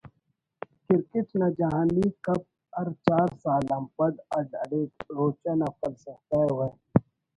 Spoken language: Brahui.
کرکٹ نا جہانی کپ ہر چار سال آن پد اڈ ہلیک روچہ نا فلسفہ و